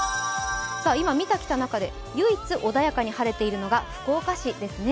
今見てきた中で唯一穏やかに晴れているのが福岡市ですね。